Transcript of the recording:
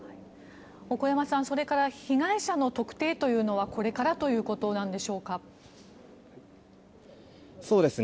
小古山さん、それから被害者の特定というのはこれからということなんでしょうか。